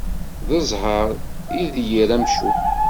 D zheṛ i d yir amcum.